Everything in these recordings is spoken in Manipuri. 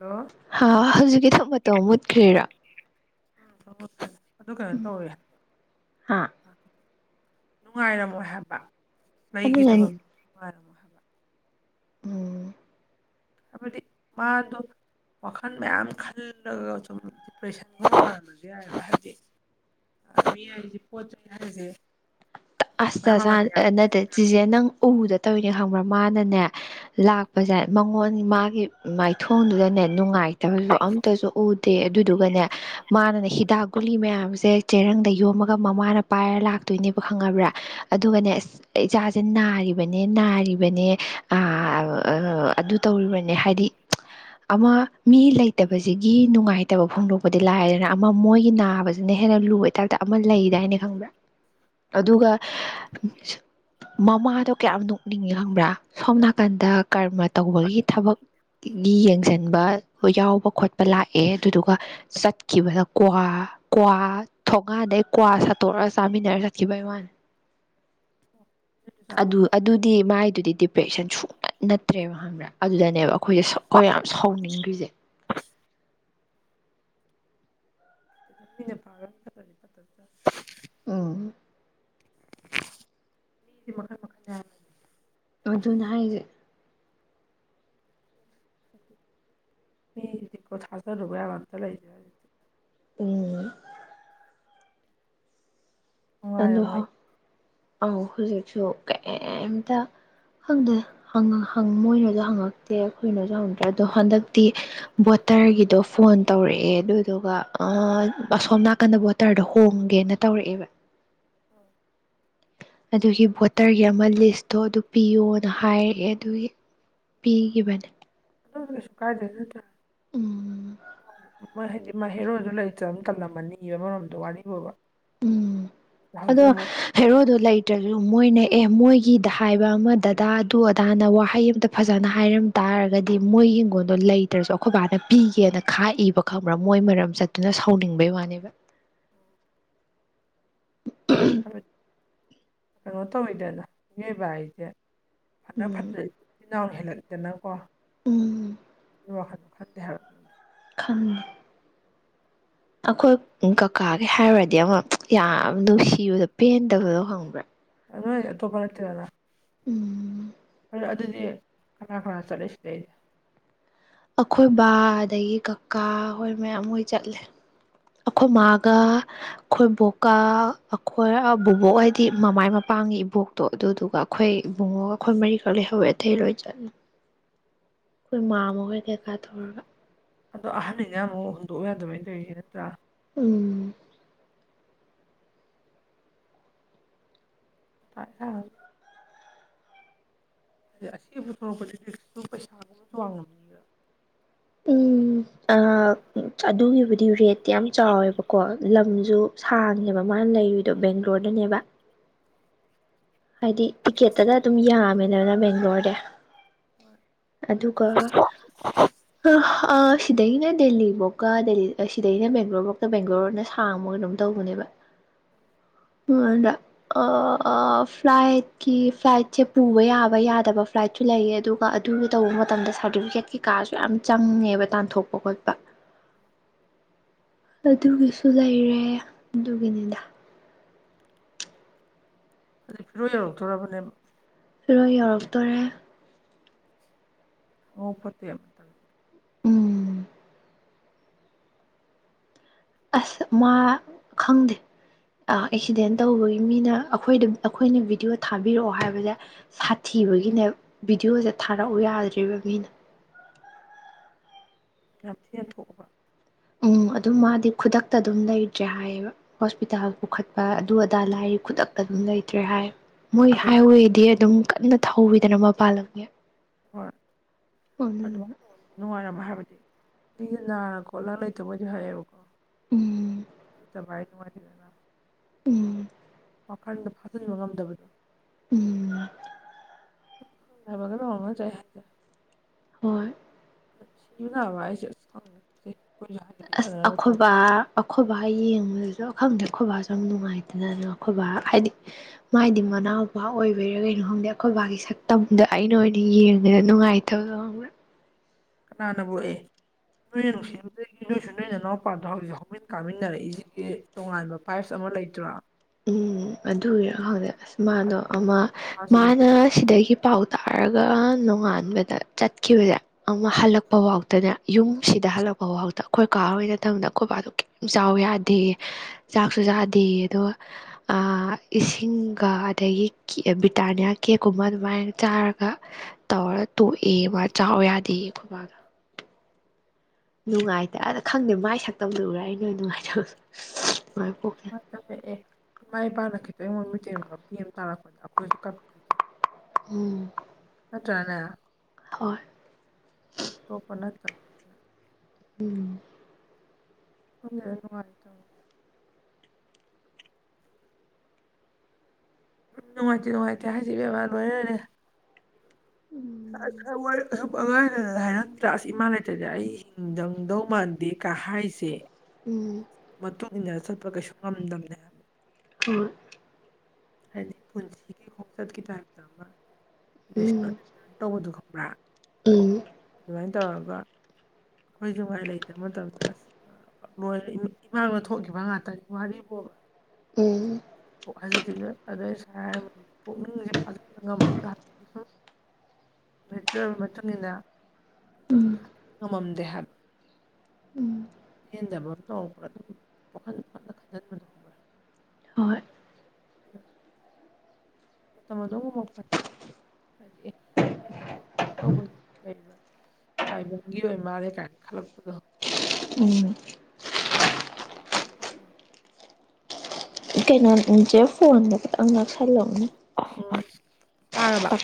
ꯍꯜꯂꯣ ꯍꯥ ꯍꯧꯖꯤꯛꯀꯤ ꯊꯛ ꯃꯇꯣ ꯃꯨꯠꯈ꯭ꯔꯦꯔꯣ꯫ ꯑꯥ ꯑꯗꯨ ꯀꯩꯅꯣ ꯇꯧꯋꯦ ꯍꯥ ꯅꯨꯡꯉꯥꯏꯔꯝꯃꯣꯏ ꯍꯥꯏꯕ ꯃꯩꯒꯤ ꯑꯗꯨꯅꯅꯦ ꯊꯕꯛꯅꯤꯅ ꯅꯨꯡꯉꯥꯏꯔꯝꯃꯣꯏ ꯍꯥꯏꯕ ꯫ ꯎꯝ ꯍꯥꯏꯕꯗꯤ ꯃꯥꯗꯣ ꯋꯥꯈꯜ ꯃꯌꯥꯝ ꯈꯜꯂꯒ ꯁꯨꯝ ꯗꯤꯄ꯭ꯔꯦꯁꯟꯒꯨꯝꯕꯁꯨ ꯌꯥꯏ ꯍꯥꯏꯕꯗꯤ ꯌꯥ [unintelligible] ꯄꯣꯠꯆꯩ ꯍꯥꯏꯁꯦ ꯑꯁ ꯃꯌꯥꯝ ꯆꯥꯆꯥ ꯃꯃꯜ ꯌꯥꯝꯕ ꯅꯠꯇꯦ ꯆꯤꯆꯦ ꯅꯪ ꯎꯗ ꯇꯧꯔꯤꯅꯦ ꯈꯪꯕ꯭ꯔꯥ ꯃꯥꯅꯅꯦ ꯂꯥꯛꯄꯁꯦ ꯃꯉꯣꯟ ꯃꯥꯒꯤ ꯃꯥꯏꯊꯣꯡꯗꯨꯗꯅꯦ ꯅꯨꯡꯉꯥꯏ ꯁꯨ ꯑꯝꯇꯁꯨ ꯎꯗꯦ ꯑꯗꯨꯗꯨꯒꯅꯦ ꯃꯥꯅꯅꯦ ꯍꯤꯗꯥꯛ ꯒꯨꯂꯤ ꯃꯌꯥꯝꯁꯦ ꯆꯦꯔꯪꯗ ꯌꯣꯝꯃꯒ ꯃꯃꯥꯅ ꯄꯥꯏꯔ ꯂꯥꯛꯇꯣꯏꯅꯦꯕ ꯈꯪꯉꯕ꯭ꯔꯥ ꯑꯗꯨꯒꯅꯦ ꯑꯁ ꯏꯆꯥꯁꯦ ꯅꯥꯔꯤꯕꯅꯦ ꯅꯥꯔꯤꯕꯅꯦ ꯑꯥ ꯑꯗꯨ ꯇꯧꯔꯤꯕꯅꯦ ꯍꯥꯏꯗꯤ ꯑꯃ ꯃꯤ ꯂꯩꯇꯕꯁꯤꯒꯤ ꯅꯨꯡꯉꯥꯏꯇꯕ ꯐꯣꯡꯗꯣꯛꯄꯗꯤ ꯂꯥꯏꯔꯗꯅ ꯑꯃ ꯃꯣꯏꯒꯤ ꯅꯥꯕꯁꯤ ꯑꯗꯨꯅ ꯍꯦꯟꯅ ꯂꯨꯕꯩ ꯇꯥꯛꯇ ꯑꯃ ꯂꯩꯗꯥꯏꯅꯦ ꯈꯪꯕ꯭ꯔꯥ ꯫ ꯑꯗꯨꯒ ꯑꯥ ꯃꯃꯥꯗꯣ ꯀꯌꯥꯝ ꯅꯣꯛꯅꯤꯡꯏꯤ ꯈꯪꯕ꯭ꯔꯥ ꯁꯣꯝ ꯅꯥꯀꯟꯗ ꯀꯔꯃ ꯇꯧꯕꯒꯤ ꯊꯕꯛ ꯒꯤ ꯌꯦꯡꯁꯤꯟꯕ ꯌꯥꯎꯕ ꯈꯣꯠꯄ ꯂꯥꯛꯑꯦ ꯑꯗꯨꯗꯨꯒ ꯆꯠꯈꯤꯕꯗ ꯀ꯭ꯋꯥ ꯀ꯭ꯋꯥ ꯊꯣꯡꯒꯥꯟꯗꯩ ꯀ꯭ꯋꯥ ꯁꯥꯠꯇꯣꯛꯒ ꯆꯥꯃꯤꯟꯅꯔ ꯕꯥꯏ ꯋꯥꯟ ꯑꯗꯨ ꯆꯥꯗꯨꯒ ꯑꯗꯨ ꯗꯤ ꯃꯥꯏꯗꯨꯗꯤ ꯗꯤꯄ꯭ꯔꯦꯁꯟ ꯁꯨꯅ ꯅꯠꯇ꯭ꯔꯦꯕ ꯈꯪꯕ꯭ꯔꯥ ꯑꯗꯨꯗꯅꯦꯕ ꯑꯩꯈꯣꯏꯁꯦ ꯑꯩꯈꯣꯏ ꯌꯥꯝ ꯁꯥꯎꯅꯤꯡꯈ꯭ꯔꯤꯁꯦ ꯃꯤꯅ ꯐꯥꯔ ꯐꯠꯇꯅꯤ ꯐꯠꯇ ꯑꯝ ꯃꯤꯁꯦ ꯃꯈꯟ ꯃꯈꯈꯟ ꯌꯥ ꯑꯗꯨꯅꯦ ꯍꯥꯏꯁꯦ ꯄꯦꯜꯂꯦ ꯊꯥꯖꯔꯨꯕ ꯌꯥꯕ ꯑꯃꯇ ꯂꯩꯇꯔꯦ ꯍꯧꯖꯤꯛ ꯎꯝ ꯅꯨꯡꯉꯥꯏꯔꯝꯃꯣꯏ ꯑꯣ ꯍꯧꯖꯤꯛꯁꯨ ꯀꯩꯝꯇ ꯈꯪꯗꯦ ꯃꯣꯏꯅꯁꯨ ꯍꯪꯉꯛꯇꯦ ꯑꯩꯈꯣꯏꯅꯁꯨ ꯍꯪꯗ꯭ꯔꯦ ꯑꯗꯣ ꯍꯟꯗꯛꯇꯤ ꯕꯣꯇꯔꯒꯤꯗꯣ ꯐꯣꯟ ꯇꯧꯔꯛꯑꯦ ꯑꯗꯨꯗꯨꯒ ꯑꯁꯣꯝ ꯅꯥꯀꯟꯗ ꯕꯣ ꯇꯔꯗ ꯍꯣꯝꯒꯦꯅ ꯇꯧꯔꯛꯑꯦꯕ ꯑꯗꯨꯒꯤ ꯚꯣꯇꯔꯒꯤ ꯑꯃ ꯂꯤꯁꯇꯣ ꯑꯗꯨ ꯄꯤꯌꯣꯅ ꯍꯥꯏꯔꯛꯑꯦ ꯑꯗꯨꯒꯤ ꯄꯤꯈꯤꯕꯅꯤ ꯑꯁ ꯀꯥꯏꯗꯩꯅꯣꯗ ꯎꯝ ꯃꯣꯏ ꯍꯥꯏꯗꯤ ꯃꯥꯏ ꯍꯦꯔꯣꯁꯨ ꯂꯩꯇꯅꯤꯅ ꯇꯜꯂꯝꯃꯅꯤꯕ ꯃꯔꯣꯝꯗꯣ ꯋꯥꯔꯤꯕꯨꯕ꯫ ꯎꯝ ꯍꯧꯖꯤꯛ ꯑꯗꯣ ꯑꯃꯨꯛ ꯐꯦꯔꯣꯗꯨꯣ ꯂꯩꯇ꯭ꯔꯁꯨ ꯃꯣꯏꯅ ꯑꯦ ꯃꯣꯏꯒꯤꯗ ꯍꯥꯏꯕ ꯑꯃ ꯗꯗꯥꯗꯨ ꯑꯗꯥꯅ ꯋꯥꯍꯩ ꯑꯃꯇ ꯐꯖꯅ ꯍꯥꯏꯔꯝ ꯇꯥꯔꯒꯗꯤ ꯃꯣꯏꯒꯤ ꯍꯤꯡꯒꯣꯟꯜꯗꯣ ꯂꯩꯇ꯭ꯔꯁꯨ ꯑꯩꯈꯣꯏ ꯕꯥꯅ ꯄꯤꯒꯦꯅ ꯈꯥꯛꯏꯕ ꯈꯪꯕ꯭ꯔꯥ ꯃꯣꯏ ꯃꯔꯝ ꯆꯠꯇꯨꯅ ꯁꯥꯎꯅꯤꯡꯕꯩ ꯋꯥꯅꯦꯕ ꯍꯥꯏꯕꯗꯤ ꯀꯩꯅꯣ ꯇꯧꯋꯤꯗꯅ ꯃꯤꯑꯣꯏꯕ ꯍꯥꯏꯁꯦ ꯐꯅ ꯎꯝ ꯐꯠꯇꯔꯤꯁꯦ ꯏꯤꯟꯅꯥꯎ ꯍꯦꯜꯂꯛꯇꯅ ꯀꯣ ꯎꯝ ꯍ ꯈꯗ ꯍꯥ ꯈꯪꯉꯤ ꯑꯩꯈꯣꯏ ꯀꯀꯥꯒꯤ ꯍꯥꯏꯔꯨꯔꯗꯤ ꯑꯃꯨꯛ ꯌꯥꯝ ꯅꯨꯡꯁꯤꯕꯗꯣ ꯄꯦꯟꯗꯕꯗꯣ ꯍꯪꯕ꯭ꯔꯥ ꯑ ꯇꯣꯄꯅꯥꯛꯇꯔꯂ ꯎꯝ ꯍ ꯑꯗꯨꯗꯤ ꯀꯅꯥ ꯀꯅꯥ ꯆꯠꯂꯁꯤꯗꯩ ꯑꯩꯁꯦ ꯑꯩꯈꯣꯏ ꯕꯥ ꯑꯗꯒꯤ ꯀꯀꯥ ꯍꯣꯏ ꯃꯌꯥꯝ ꯍꯣꯏ ꯆꯠꯂꯦ ꯑꯩꯈꯣꯏ ꯃꯥꯒ ꯈꯣꯏꯕꯣꯛꯀ ꯑꯩꯈꯣꯏ ꯕꯕꯣꯛ ꯍꯥꯏꯗꯤ ꯃꯃꯥꯏ ꯃꯄꯥꯡꯉ ꯏꯕꯣꯛ ꯇꯣ ꯑꯗꯨꯗꯨꯒ ꯑꯩꯈꯣꯏ ꯏꯕꯨꯡꯉꯣꯒ ꯑꯩꯈꯣꯏ ꯃꯔꯤꯈꯛ ꯂꯩꯍꯧꯋꯦ ꯑꯊꯩ ꯂꯣꯏ ꯆꯠꯂ ꯑꯩꯈꯣꯏ ꯃꯥ ꯃꯈꯣꯏ ꯀꯩ ꯀꯥꯊꯔꯒ ꯑꯗꯣ ꯑꯍꯟꯅꯤꯅ ꯑꯃꯨꯛ ꯍꯨꯟꯗꯣꯛꯎ ꯌꯥꯗꯕꯩ ꯂꯩꯧꯔꯤꯁ ꯅꯠꯇ꯭ꯔꯥ ꯎꯝ ꯄ ꯗꯤ ꯑꯁꯤꯕ ꯊꯣꯛꯣꯔꯛꯄꯗꯤꯦꯛꯁꯇꯨ ꯄꯩꯁꯥꯒꯨꯝꯕꯁꯨ ꯋꯥꯡꯉꯝꯅꯤ ꯎꯝ ꯑꯗꯨꯒꯤꯕꯨꯗꯤ ꯔꯦꯠꯇꯤ ꯌꯥꯝ ꯆꯥꯎꯋꯦꯕꯀꯣ ꯂꯝꯁꯨ ꯁꯥꯡꯅꯦꯦꯕ ꯃꯥꯅ ꯂꯩꯔꯨꯏꯗꯣ ꯕꯦꯡꯒ꯭ꯂꯣꯔꯗꯅꯦꯕ ꯍꯥꯏꯗꯤ ꯇꯤꯛꯀꯦꯠꯇꯒ ꯑꯗꯨꯝ ꯌꯥꯝꯃꯦꯗꯕꯅ ꯕꯦꯡꯒ꯭ꯂꯣꯔꯗ ꯍꯣꯏ ꯑꯗꯨꯒ ꯁꯤꯗꯩꯅ ꯗꯦꯜꯂꯤꯐꯧꯀ ꯗꯦꯜꯂꯤ ꯁꯤꯗꯩꯅ ꯕꯦꯡꯒ꯭ꯂꯣꯔꯐꯧꯇ ꯕꯦꯡꯒ꯭ꯂꯣꯔꯅ ꯁꯥꯡꯕꯒ ꯑꯗꯨꯝ ꯇꯧꯕꯅꯦꯕ ꯑ ꯑꯗ ꯐ꯭ꯂꯥꯏꯠꯀꯤ ꯐ꯭ꯂꯥꯏꯠꯁꯦ ꯄꯨꯕ ꯌꯥꯕ ꯌꯥꯗꯕ ꯐ꯭ꯂꯥꯏꯠꯁꯨ ꯂꯩꯌꯦ ꯑꯗꯨꯒ ꯑꯗꯨꯒꯤ ꯇꯧꯕ ꯃꯇꯝꯗ ꯁꯥꯔꯇꯤꯐꯤꯀꯦꯠ ꯀꯩ ꯀꯥꯁꯨ ꯌꯥꯝ ꯆꯪꯉꯦꯕ ꯇꯥꯟꯊꯣꯛꯄ ꯈꯣꯠꯄ ꯑꯗꯨꯒꯤꯁꯨ ꯂꯩꯔꯦ ꯑꯗꯨꯒꯤꯅꯤꯗ ꯍꯧꯖꯤꯛ ꯐꯤꯔꯣ ꯌꯧꯔꯛꯇꯣꯔꯔꯕꯅꯦ ꯔꯣꯏ ꯌꯧꯔꯛꯇꯣꯔꯦ [unintelligible] ꯃꯇꯝ ꯎꯝ ꯑꯁ ꯃꯥ ꯈꯪꯗꯦ ꯑꯦꯛꯁꯤꯗꯦꯟ ꯇꯧꯕꯒꯤ ꯃꯤꯅ ꯑꯩꯈꯣꯏꯗ ꯑꯩꯈꯣꯏꯅ ꯚꯤꯗꯤꯑꯣ ꯊꯥꯕꯤꯔꯛꯑꯣ ꯍꯥꯏꯕꯗ ꯁꯥꯊꯤꯕꯒꯤꯅꯦ ꯚꯤꯗꯤꯑꯣꯖꯦ ꯊꯥꯔꯛꯎ ꯌꯥꯗ꯭ꯔꯤꯕ ꯃꯤꯅ ꯀꯌꯥꯝꯊꯤꯅ ꯁꯣꯛꯑꯕ ꯎꯝ ꯑꯗꯨꯝ ꯃꯥꯗꯤ ꯈꯨꯗꯛꯇ ꯑꯗꯨꯝ ꯂꯩꯇ꯭ꯔꯦ ꯍꯥꯏꯌꯦꯕ ꯍꯣꯁꯄꯤꯇꯥꯜ ꯄꯨꯈꯠꯄ ꯑꯗꯨ ꯑꯗꯥ ꯂꯥꯏ ꯈꯨꯗꯛꯇ ꯑꯗꯨꯝ ꯂꯩꯇ꯭ꯔꯦ ꯍꯥꯏ ꯃꯣꯏ ꯑꯗꯨꯃꯥꯏꯅ ꯍꯥꯏꯋꯦꯗꯤ ꯑꯗꯨꯝ ꯀꯟꯅ ꯊꯧꯋꯤꯗꯅ ꯃꯄꯥꯟ ꯂꯝꯒꯤ ꯍꯣꯏ ꯑꯗꯨꯃꯥꯏꯅ ꯑꯗꯨꯗꯨꯅ ꯇꯧꯋ ꯅꯨꯡꯉꯥꯏꯔꯝꯕ ꯍꯥꯏꯕꯗꯤ ꯃꯤꯁ ꯅꯥꯔ ꯈꯣꯠꯂꯒ ꯂꯩꯇꯃꯣꯏꯗꯤ ꯍꯥꯏꯌꯦꯕꯀꯣ ꯎꯝ ꯆꯚꯏꯅꯅꯨꯡ ꯃꯔꯤꯗꯅ ꯎꯝ ꯋꯥꯈꯟꯗ ꯐꯥꯖꯟꯅꯤꯡꯕ ꯉꯝꯗꯕꯗꯣ ꯎꯝ [inaudible] ꯍꯣꯏ ꯁꯤꯕ ꯅꯥꯕ ꯍꯥꯏꯁꯦ ꯑꯁ ꯈꯪꯗꯦꯅꯦ ꯀꯩ ꯑꯁ ꯑꯩꯈꯣꯏꯕꯥ ꯑꯩꯈꯣꯏꯕ ꯌꯦꯡꯕꯗꯁꯨ ꯑꯈꯪꯗꯦ ꯑꯩꯈꯣꯏꯕꯥꯁꯨ ꯌꯥꯝ ꯅꯨꯡꯉꯥꯏꯇꯅ ꯑꯗꯨꯅ ꯑꯩꯈꯣꯏꯕꯥ ꯍꯥꯏꯗꯤ ꯃꯥꯗꯤ ꯃꯅꯥꯎꯄꯥ ꯑꯣꯏꯕꯤꯔꯥ ꯀꯩꯅꯣ ꯈꯪꯗꯦ ꯑꯩꯈꯣꯏ ꯕꯥꯒꯤ ꯁꯛꯇꯝꯗ ꯑꯩꯅ ꯑꯣꯏꯅ ꯌꯦꯡꯕꯗ ꯅꯨꯡꯉꯥꯏꯇꯦ [inaudible] ꯀꯅꯥꯅꯕꯨꯣ ꯑꯦ ꯅꯣꯏ ꯎꯝ ꯅꯨꯡꯁꯤꯖꯒꯦ ꯅꯣꯏꯁꯨ ꯅꯣꯏ ꯅꯅꯥꯎꯄꯥꯗ ꯍꯧꯖꯤꯛ ꯍꯧꯃꯤꯟ ꯀꯥꯃꯤꯟꯅꯔꯛꯏꯁꯤꯒꯤ ꯇꯣꯉꯥꯟꯕ ꯄꯥꯏꯞꯁ ꯑꯃ ꯂꯩꯇ꯭ꯔꯥ ꯎꯝ ꯑꯗꯨꯔꯣ ꯈꯪꯗꯦ ꯑꯁ ꯃꯥꯗꯣ ꯑꯃ ꯃꯥꯁꯨ ꯎꯏ ꯃꯥꯅ ꯁꯤꯗꯒꯤ ꯄꯥꯎ ꯇꯥꯔꯒ ꯅꯣꯡꯉꯥꯟꯕꯗ ꯆꯠꯈꯤꯕꯁꯦ ꯑꯃ ꯍꯜꯂꯛꯄ ꯐꯥꯎꯗꯅ ꯌꯨꯝꯁꯤꯗ ꯍꯜꯂꯛꯄꯐꯥꯎꯗ ꯑꯩꯈꯣꯏ ꯀꯥ ꯍꯣꯏ ꯃꯊꯡꯗ ꯑꯩꯈꯣꯏꯕꯥꯅ ꯆꯥꯎ ꯌꯥꯗꯦꯌꯦ ꯆꯥꯛꯁꯨ ꯆꯥꯗꯦꯌꯦ ꯑꯗꯨꯒ ꯑꯥ ꯏꯁꯤꯡꯒ ꯑꯗꯒꯤ ꯕ꯭ꯔꯤꯇꯥꯅꯤꯌꯥ ꯀꯦꯛꯀꯨꯝꯕ ꯑꯗꯨꯃꯥꯏꯅ ꯆꯥꯔꯒ ꯇꯧꯔ ꯇꯣꯛꯑꯦ ꯃꯥ ꯆꯥꯎ ꯌꯥꯗꯦꯌꯦ ꯑꯩꯈꯣꯏꯕꯥꯒ ꯅꯨꯡꯉꯥꯏꯇꯅ ꯈꯪꯗꯦ ꯃꯥꯏ ꯁꯛꯇꯝꯗꯨ ꯎꯔ ꯑꯩ ꯅꯣꯏ ꯅꯨꯡꯉꯥꯏꯇꯕꯗꯣ ꯃꯥꯏ ꯄꯣꯛꯁꯦ ꯑꯦ ꯏꯃꯥ ꯏꯄꯥꯅ ꯈꯤꯇꯪ ꯃꯃꯤꯠꯇꯒꯤ ꯃꯄꯤ ꯑꯃ ꯇꯥꯔꯛꯄꯗ ꯑꯩꯈꯣꯏꯁꯨ ꯀꯞꯄꯤꯗꯣꯏꯗꯤ ꯎꯝ ꯀꯠꯇ꯭ꯔꯅꯦ ꯍꯣꯏ ꯇꯣꯄ ꯅꯠꯇ ꯎꯝ ꯄꯨꯟꯅ ꯍꯦꯛ ꯅꯨꯡꯉꯥꯏꯇꯝꯅꯦ ꯅꯨꯡꯉꯥꯏꯇꯦ ꯅꯨꯡꯉꯥꯏꯇꯦ ꯍꯥꯏꯖꯦ ꯏꯕꯦꯝꯃ ꯂꯣꯏꯔꯦ ꯎꯝ ꯑꯉꯥꯡ ꯑꯣꯏꯔꯤꯉꯩꯗ ꯍꯥꯏꯔꯝꯗ꯭ꯔ ꯑꯁ ꯏꯃꯥ ꯂꯩꯇ꯭ꯔꯗꯤ ꯑꯩ ꯍꯤꯡꯗꯧ ꯃꯥꯟꯗꯦ ꯀ ꯍꯥꯏꯖꯦ ꯎꯝ ꯃꯇꯨꯡ ꯏꯟꯅ ꯆꯠꯄ ꯀꯩꯁꯨ ꯉꯝꯗꯕꯅꯦ ꯍꯥꯏꯕ ꯍꯣꯏ ꯍꯥꯏꯗꯤ ꯄꯨꯟꯁꯤꯒꯤ ꯈꯣꯡꯆꯠꯀꯤ ꯇꯥꯏꯞꯇ ꯑꯃ ꯂꯦꯁꯟ ꯎꯝ ꯂꯔꯟ ꯇꯧꯕꯗꯨ ꯈꯪꯕ꯭ꯔ ꯎꯝ ꯑꯗꯨꯃꯥꯏꯅ ꯇꯧꯔꯒ ꯑꯩꯈꯣꯏꯁꯨ ꯉꯥꯏꯔꯦ ꯂꯩꯇꯕ ꯃꯇꯝꯗ ꯑꯁ ꯏꯃꯥꯡꯗ ꯊꯣꯛꯈꯤꯕ ꯉꯥꯛꯇꯅꯤ ꯋꯥꯔꯤꯕꯣꯕ ꯎꯝ ꯑꯣ ꯍꯧꯖꯤꯛꯇꯤꯅꯦ ꯑꯗꯩ ꯑꯩꯁ ꯍꯥꯏꯔꯝꯃꯤ ꯄꯨꯛꯅꯤꯡꯁꯦ ꯐꯥꯖꯤꯟꯕ ꯉꯝꯃꯛꯇꯔꯦ ꯍꯥꯏꯕꯅꯤ ꯃꯦꯆꯕ ꯃꯇꯨꯡꯏꯟꯅ ꯑꯗꯨ ꯎꯝ ꯉꯝꯃꯝꯗꯦ ꯍꯥꯏꯕ ꯎꯝ ꯄꯦꯟꯗꯕ ꯑꯃ ꯇꯧꯔꯛꯄ꯭ꯔꯥ ꯑꯗꯨꯝ ꯋꯈꯟꯗ ꯄꯪꯗꯟ ꯈꯟꯖꯤꯟꯕꯗꫭ ꯍꯣꯏ ꯃꯇꯝ ꯑꯗꯨꯝ ꯉꯝꯃꯛꯄꯅꯦ ꯍꯥꯏꯗꯤ ꯇꯧꯕꯕ ꯇꯥꯏꯕꯪꯒꯤ ꯑꯣꯏ ꯃꯥꯜꯂꯦ ꯀꯥꯏꯅ ꯈꯜꯂꯛꯄꯗꯣ ꯎꯨꯝ [inaudible] ꯀꯩꯅꯣꯗꯨ ꯆꯦ ꯐꯣꯟꯗꯣ ꯈꯤꯇꯪ ꯅꯛꯁꯜꯂꯨꯅꯦ ꯎꯨꯝ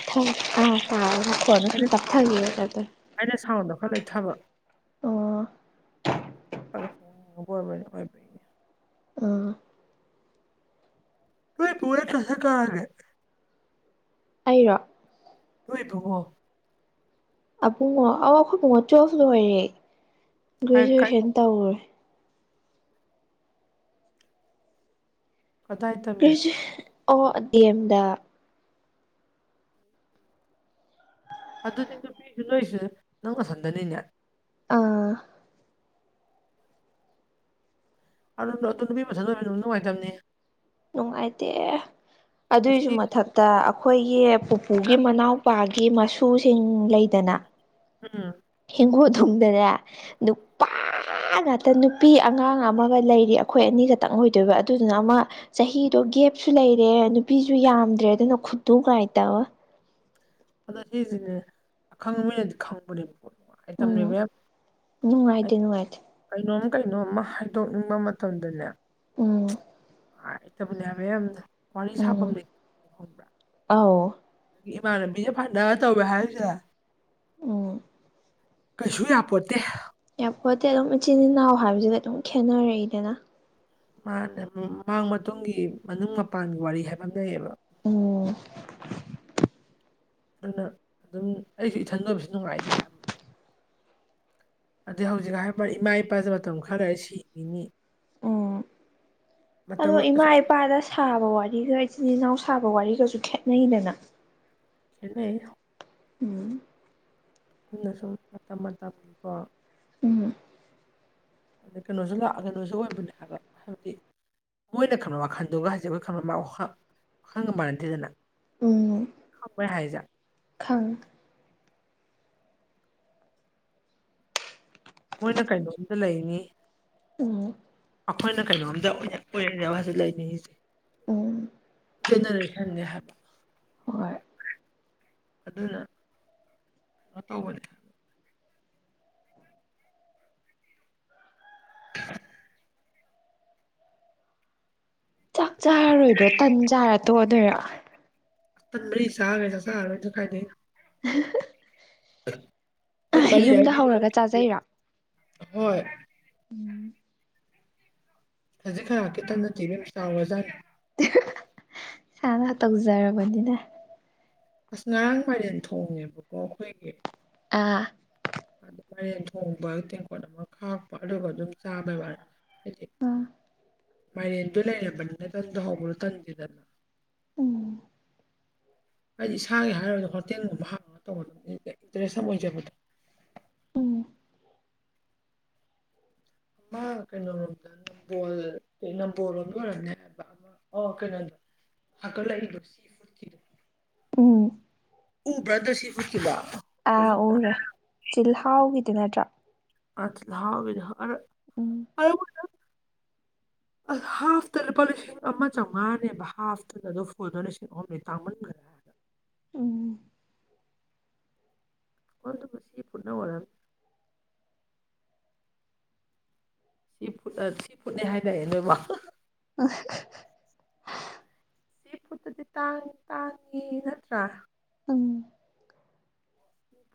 ꯇꯥꯟꯊꯥ ꯑꯥ ꯇꯥꯔꯦ ꯅꯈꫭꯟꯗꫭ ꯁꯨꯝ ꯑꯩꯅ ꯇꯥꯞꯊꯥꯒꯤꯕꯩ ꯇꯋꯥꯞꯇꯥ ꯊꯧꯋꯤ ꯑꯩꯅ ꯁꯥꯎꯟꯗꯣ ꯈꯔ ꯂꯩꯊꯕ ꯑꯣ ꯑ ꯑꯣꯏꯕꯅꯤ ꯑꯣꯏꯕꯅꯤ ꯑꫭ ꯅꫭꯏꯄꯨ ꯅꯠꯇꯔꫭ ꯁ꯭ꯔꯀ꯭ꯔꯥꯖꯦ ꯑꯩꯔꯣ ꯅꫭꯏ ꯑꯕꯨꯡꯉꫭ ꯑꯕꯨꯡꯉꯣ ꯑꯥꯎ ꯑꯩꯈꯣꯏ ꯑꯕꯨꯡꯉꫭ ꯇꯨꯋꯦꯜꯐ ꯂꫭꯏꯔꯦ ꯀꯥꯏ ꯀꯥꯏ ꯒ꯭ꯔꯦꯖꯨꯑꯦꯁꯟ ꯇꯧꯔꯦ ꯀꯗꯥꯥꯏꯗ ꯒ꯭ꯔꯦꯖꯨꯁꯟ ꯑꯣ ꯗꯤ ꯑꯦꯝꯗ ꯑꯗꯨꯗꯤꯗꯨ ꯅꯨꯄꯤꯁꯨ ꯅꫭꯏꯁꯨ ꯅꯪꯅ ꯅꯊꯠꯗꯅꯤꯅꯦ ꯑꯥ ꯑꯗꯨ ꯅꯨꯄꯤ ꯃꯁꯟ ꯑꯣꯏꯕꯗꯨ ꯅꯨꯡꯗꯤ ꯅꯨꯡꯉꯥꯏꯇꯕꯅꯤ ꯅꯨꯡꯉꯥꯏꯇꯦ ꯑꯗꯨꯏꯁꯨ ꯑꯁꯤ ꯃꯊꯟ ꯇ ꯑꯩꯈꯣꯏꯒꯤ ꯄꯨꯄꯨꯒꯤ ꯃꯅꯥꯎꯄꯥꯒꯤ ꯃꯁꯨꯁꯤꯡ ꯂꯩꯗꯅ ꯎꯝ ꯍꯤꯡꯒꫭꯜ ꯅꯨꯡꯗꯅꯦ ꯅꯨꯄꯥ ꯉꯥꯛꯇ ꯅꯨꯄꯤ ꯑꯉꯥꯡ ꯑꯃꯒ ꯂꯩꯔꯤ ꯑꯩꯈꯣꯏ ꯑꯅꯤ ꯈꯛꯇꯪ ꯑꯣꯏꯗꯣꯏꯕ ꯑꯗꯨꯗꯨꯅ ꯑꯃ ꯆꯍꯤꯗꯣ ꯒꯦꯞꯁꯨ ꯂꯩꯔꯦ ꯅꯨꯄꯤꯁꯨ ꯌꯥꯝꯗ꯭ꯔꯦ ꯑꯗꯨꯅ ꯈꯨꯅꯨꯡꯉꯥꯏꯇꯥ ꯑꯃ ꯑꯗ ꯁꯤꯁꯤꯅꯦ ꯑꯈꯪꯕ ꯃꯤꯅꯗꯤ ꯈꯪꯕꯅꯦꯕ ꯃꯇꯝ‌ ꯎꯝ ꯂꯩꯕꯌꯥꯝ ꯅꯨꯡꯉꯥꯏꯇꯦ ꯅꯨꯡꯉꯥꯏꯇꯦ ꯀꯩꯅꯣꯝ ꯀꯩꯅꯣꯝꯃ ꯍꯥꯏꯗꯣꯛꯅꯤꯡꯕ ꯃꯇꯝꯗꯅꯦ ꯎꯨꯝ ꯅꯨꯉꯥꯏꯇꯕꯅꯦ ꯍꯥꯏꯕ ꯌꯥꯝꯅ ꯋꯥꯔꯤ ꯁꯥꯐꯝ ꯂꯩꯇ ꯈꯪꯕ꯭ꯔꯥ ꯑꯥꯎ ꯑꯤꯃꯥꯅꯕꯤꯅ ꯐꯅ ꯇꯧꯔꯦ ꯍꯥꯏꯔꯤꯁꯦ ꯎꯝ ꯀꯩꯁꯨꯌꯥꯄꯣꯠꯇꯦ ꯌꯥꯔꯄꯣꯠꯇꯤ ꯑꯗꯨꯝ ꯏꯆꯤꯟ ꯏꯅꯥꯎ ꯍꯥꯏꯕꯁꯤꯗ ꯑꯗꯨꯝ ꯈꯦꯠꯅꯔꯛꯏꯗꯅ ꯃꯥꯅꯦ ꯃꯥꯡ ꯃꯇꯨꯡꯒꯤ ꯃꯅꯨꯡ ꯃꯄꯥꯟꯒꯤ ꯋꯥꯔꯤ ꯍꯥꯏꯕ ꯑꯃ ꯂꯩꯌꯦꯕ ꯎꯨꯝ ꯑꯗꯨꯅ ꯑꯗꯨꯝ ꯑꯩꯁꯨ ꯏꯊꯟꯗꯕꯁꯨ ꯅꯨꯡꯉꯥꯏꯇꯦ ꯑꯗꯩ ꯍꯧꯖꯤꯛ ꯍꯥꯏꯔꯤꯕ ꯏꯃꯥ ꯏꯄꯥꯖ ꯃꯇꯝ ꯈꯔ ꯂꯩꯔꯒꯥ ꯁꯤꯒꯤꯅꯤ ꯎꯝ ꯑꯗꯣ ꯏꯃꯥ ꯑꯁꯨꯛ ꯏꯄꯥꯗ ꯁꯥꯕ ꯋꯥꯔꯤꯒ ꯏꯆꯤꯜ ꯏꯅꯥꯎ ꯁꯥꯕ ꯋꯥꯔꯤꯒꯁꯨ ꯈꯦꯠꯅꯩꯗꯅ ꯑꯗꯨꯅꯦ ꯎꯨꯝ ꯑꯗꯨꯅ ꯁꯨꯝ ꯃꯇꯝ ꯃꯇꯝꯒꯤꯀꯣ ꯎꯨꯝ ꯑꯗ ꯀꯩꯅꯣꯁꯨ ꯂꯥꯛꯑꯒ ꯅꯣꯏꯁꯨ ꯑꯣꯏꯕꯅꯦ ꯍꯥꯏꯕ ꯍꯥꯏꯕꯗꯤ ꯃꯣꯏꯅ ꯈꯪꯕ ꯋꯥꯈꯜꯗꯒ ꯍꯥꯏꯁꯦ ꯑꯩꯈꯣꯏ ꯈꯪ ꯋꯥꯈꯪꯒ ꯃꯥꯟꯅꯗꯦꯗꯅ ꯎꯝ ꯍꯣꯏ ꯍ ꯍꯥꯏꯖꯥꯛ ꯈꯪ ꯃꯣꯏꯅ ꯀꯩꯅꯣꯝꯇ ꯂꯩꯉꯤ ꯎꯝ ꯑꯩꯈꯣꯏꯅ ꯀꯩꯅꯣꯝꯇ ꯑꯣꯏꯔꯅꯦꯕ ꯍꯥꯏꯁꯦ ꯂꯩꯅꯤꯡꯉꯁꯦ ꯎꯝ ꯖꯦꯅꯔꯦꯁꯟꯅꯦꯦ ꯍꯥꯏꯕ ꯍꯣꯏ ꯑꯗꯨꯅ ꯀꯩꯅꯣ ꯇꯧꯕꯅꯦ ꯆꯥꯛ ꯆꯥꯔꯔꯣꯏꯗꯣ ꯇꯟ ꯆꯥꯔ ꯇꯣꯛꯑꯗꯣꯏꯔꯥ ꯇꯟ ꯃꯔꯤ ꯆꯥꯈ꯭ꯔꯦ ꯆꯥ ꯆꯥꯔꯣꯏꯅꯁꯨ ꯈꯥꯏꯅꯩ ꯎ ꯃꯥ ꯌꯥꯏ ꯌꯨꯝꯗ ꯍꯧꯔꯒ ꯆꯥꯖꯩꯔꯣ ꯍꯣꯏꯣꯏ ꯎꯝ ꯈꯖꯤꯛ ꯈꯔ ꯈꯤꯇꯪꯅ ꯊꯤꯔꯦ ꯆꯥꯎꯥꯎꯋꯖꯥꯔꯦ ꯁꯥꯅ ꯇꯧꯖꯔꯕꯅꯤꯅ ꯑꯁ ꯉꯔꯥꯡ ꯄꯥꯏꯔꯦꯟ ꯊꯣꯡꯅꯦꯦꯕꯀꯣ ꯑꯩꯈꯣꯏꯒꯤ ꯑꯥ ꯃꯦꯟ ꯊꯣꯡꯕ ꯇꯦꯡꯀꯣꯠ ꯑꯃ ꯈꯥꯛꯄ ꯑꯗꯨꯒ ꯑꯗꯨꯝ ꯆꯥꯕꯩ ꯋꯥꯅꯤꯅ ꯍꯥꯏꯗꯤ ꯑꯥ ꯃꯥꯏꯔꯦꯟꯗꯨꯣ ꯂꯩꯔꯕꯅꯤꯅ ꯇꯟꯗꯣ ꯍꯧꯕ꯭ꯔꯣ ꯇꯟꯁꯤꯦꯗꯅ ꯎꯝ ꯍꯥꯏꯗꯤ ꯏꯁꯥꯒꯤ ꯍꯥꯏꯔꯔꯕꯒꯗ ꯍꯣꯇꯦꯜꯒꯨꯝꯕ ꯍꯥꯡꯉꯒ ꯇꯧꯒꯗꯕꯅꯤ ꯏꯟꯇꯔꯦꯁ ꯑꯃ ꯑꯣꯏꯖꯕꯗꯣ ꯎꯝ ꯃꯥ ꯀꯩꯅꯣ ꯍꯅꯨꯡꯗ ꯅꯝꯕꯣꯜ ꯅꯝꯕꯣꯜꯔ ꯑꯣꯀꯦ ꯅ ꯍꯥꯒꯜ ꯂꯩ ꯂꯣꯁꯤ ꯎꯝ ꯎ ꯭ꯔꯗꯔꯁꯤ ꯎꯁꯤꯗ ꯑꯥ ꯎꯔꯦ ꯆꯤꯜꯍꯥꯎꯒꯤꯗꯨ ꯅꯠꯇ꯭ꯔꯣ ꯑ ꯂꯥꯎꯕꯗꯔ ꯎꯝ ꯑꯁ ꯍꯥꯐꯇ ꯂꯨꯄꯥ ꯂꯤꯁꯤꯡ ꯑꯃ ꯆꯥꯝꯃꯉꯥꯅꯦꯕ ꯍꯥꯐꯇꯨꯗ ꯑꯗꯨ ꯐꯨꯜꯗꯣ ꯂꯤꯁꯤꯡ ꯑꯍꯨꯝꯅꯤ ꯇꯥꯡꯃꯟꯈ꯭ꯔꯦ ꯍꯥꯏꯕ ꯎꯝ ꯀꯟꯇ ꯄꯨꯁꯤ ꯐꯨꯔꯠꯅ ꯑꯣꯔ ꯁꯤ ꯐꯨꯗ ꯁꯤ ꯐꯨꯗꯅꯦ ꯍꯥꯏꯅꯑꯦ ꯅꯣꯏꯕ ꯑ ꯁꯤ ꯐꯨꯠꯇꯗꯤ ꯇꯥꯡꯉ ꯇꯥꯡꯉꯤ ꯅꯠꯇ꯭ꯔꯥ ꯎꯝ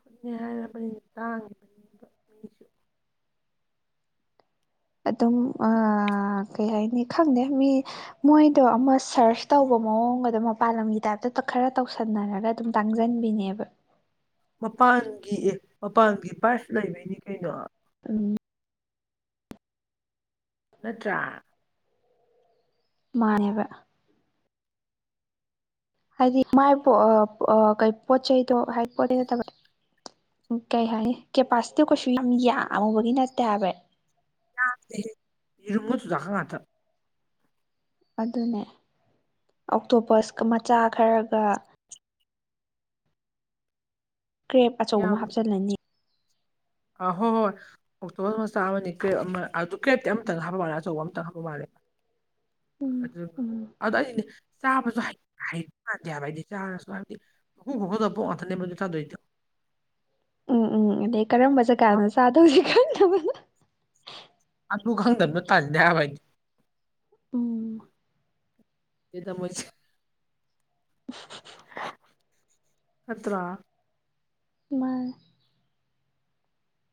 ꯈꯨꯠꯅꯦ ꯍꯥꯏꯔꯕꯅꯤꯅ ꯇꯥꯡꯉꯤꯕꯅꯦꯕ ꯃꯤꯁꯨ ꯑꯗꯨꯝ ꯀꯩ ꯍꯥꯏꯅꯤ ꯈꯪꯗꯦ ꯃꯤ ꯃꯣꯏꯗꯣ ꯑꯃ ꯁꯔꯁ ꯇꯧꯕ ꯃꯑꯣꯡꯒꯗꯣ ꯃꯄꯥꯟ ꯂꯝꯒꯤ ꯇꯥꯏꯞꯇ ꯈꯔ ꯇꯧꯁꯟꯅꯔꯒ ꯑꯗꯨꯝ ꯇꯥꯡꯖꯟꯕꯤꯅꯦꯕ ꯃꯄꯥꯟꯒꯤ ꯑꯦ ꯃꯄꯥꯟꯒꯤ ꯄꯥꯏꯔꯁ ꯂꯩꯕꯩꯅꯤ ꯀꯩꯅꯣ ꯎꯝ ꯅꯠꯇ꯭ꯔꯥ ꯃꯥꯅꯦꯕ ꯍꯥꯏꯗꯤ ꯃꯥꯏ ꯄ ꯀ ꯄꯣꯠ ꯆꯩꯗꯣ ꯍꯥꯏꯗꯤ ꯄꯣꯠ ꯅꯠꯇꯕ ꯎ ꯀꯩ ꯍꯥꯏꯅꯤ ꯀꯦꯄꯥꯁꯤꯇꯤ ꯀꯩꯁꯨ ꯌꯥꯝ ꯌꯥꯝꯉꯨꯕꯒꯤ ꯅꯠꯇꯦ ꯍꯥꯏꯕ ꯌꯥ ꯍꯔꯨꯝꯃꯣ ꯊꯨꯗ ꯀ ꯉꯇ ꯑꯗꯨꯅꯦ ꯑꯣꯛꯇꯣꯄꯁꯀ ꯃꯆꯥ ꯈꯔꯒ ꯀ꯭ꯔꯦꯞ ꯑꯆꯧꯕ ꯑꯃ ꯍꯥꯞꯆꯤꯜꯂꯅꯤ ꯑ ꯍꯣ ꯍꯣꯏ ꯑꯣꯛꯇꯣꯕ ꯃꯆꯥ ꯑꯃꯅꯤꯅꯤ ꯀꯦꯠ ꯑꯗꯨ ꯀꯦꯠꯇꯤ ꯑꯃꯝꯇꯪ ꯍꯥꯞꯄ ꯃꯥꯜꯂꯦ ꯑꯆꯧꯕ ꯑꯃꯇꯪ ꯍꯥꯞꯄ ꯃꯥꯂ ꯎꯝ ꯎꯝ ꯑꯗꯨꯗꯣ ꯑꯩꯗꯤ ꯆꯥꯕꯁꯨ ꯍꯥꯏ ꯃꯥꯟꯗꯦ ꯍꯥꯏꯕ ꯍꯥꯏꯗꯤ ꯆꯥꯔꯁꯨ ꯍꯥꯏꯕꯗꯤ ꯍ ꯍꯣꯗꯕꯑꯣ ꯑꯊꯅꯦ ꯕꯖ ꯊꯗꯣꯏ ꯎꯝ ꯎꯝ ꯑꯗꯩ ꯀꯔꯝꯕ ꯖꯒꯥꯅꯣ ꯆꯥꯗꯧꯁꯦ ꯈꯪꯗꯕꯅꯣ ꯑꯗꯨ ꯈꯪꯗꯅꯣ ꯇꯟꯅꯤ ꯍꯥꯏꯕ ꯑꯩꯗꯤ ꯎꯝ ꯗ ꯑꯠꯇ ꯃꯥ ꯃꯥꯥꯏ